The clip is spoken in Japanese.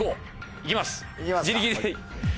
いきますか？